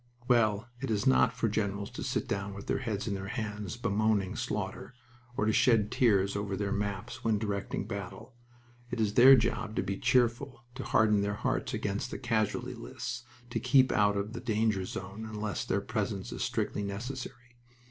Well, it is not for generals to sit down with their heads in their hands, bemoaning slaughter, or to shed tears over their maps when directing battle. It is their job to be cheerful, to harden their hearts against the casualty lists, to keep out of the danger zone unless their presence is strictly necessary.